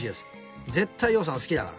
絶対羊さん好きだから。